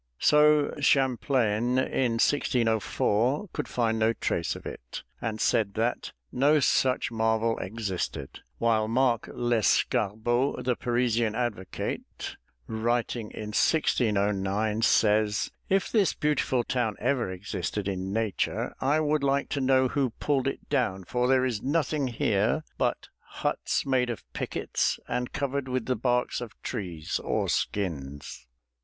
'" So Champlain, in 1604, could find no trace of it, and said that "no such marvel existed," while Mark Lescarbot, the Parisian advocate, writing in 1609, says, "If this beautiful town ever existed in nature, I would like to know who pulled it down, for there is nothing here but huts made of pickets and covered with the barks of trees or skins."